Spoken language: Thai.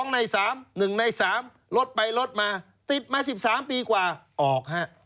ใน๓๑ใน๓ลดไปลดมาติดมา๑๓ปีกว่าออกฮะ